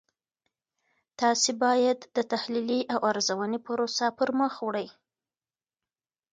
تاسې باید د تحلیلي او ارزونې پروسه پرمخ وړئ.